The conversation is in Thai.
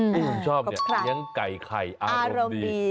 ที่ผมชอบเนี่ยเลี้ยงไก่ไข่อารมณ์ดี